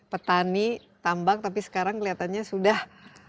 petani tambang tapi sekarang kelihatannya sudah